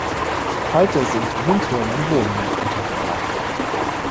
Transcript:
Heute sind in den Türmen Wohnungen untergebracht.